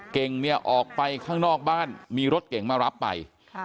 เก่งเนี่ยออกไปข้างนอกบ้านมีรถเก่งมารับไป